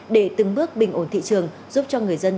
để từng bước bình ổn thị trường giúp cho người dân